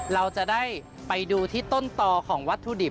เราจะได้ไปดูที่ต้นต่อของวัตถุดิบ